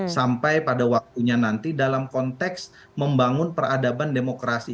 sampai pada waktunya nanti dalam konteks membangun peradaban demokrasi